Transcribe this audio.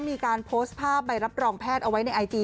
มีการโพสต์ภาพใบรับรองแพทย์เอาไว้ในไอจี